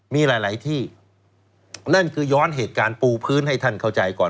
มีหลายที่นั่นคือย้อนเหตุการณ์ปูพื้นให้ท่านเข้าใจก่อน